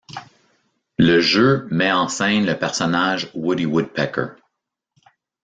Le jeu met en scène le personnage Woody Woodpecker.